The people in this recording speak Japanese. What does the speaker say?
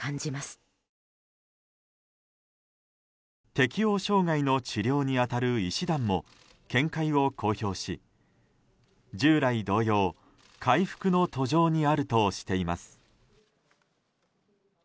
適応障害の治療に当たる医師団も見解を公表し従来同様回復の途上にあるとしています。